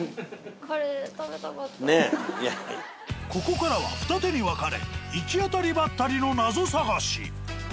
ここからは二手に分かれ行き当たりばったりの謎探し。